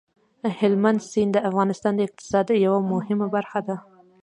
هلمند سیند د افغانستان د اقتصاد یوه مهمه برخه ده.